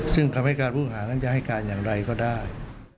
ซึ่งคำให้การผู้หานั้นจะให้การอย่างไรก็ได้